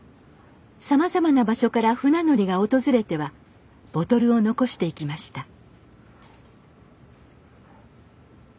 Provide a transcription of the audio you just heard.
さまざまな場所から船乗りが訪れてはボトルを残していきました